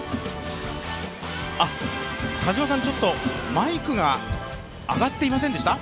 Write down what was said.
田島さん、マイクが上がっていませんでした？